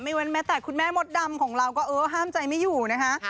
ไม่ว่าแต่คุณแม่มดดำของเราก็ห้ามใจไม่อยู่นะคะ